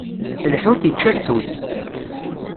Lḥut ičča lḥut.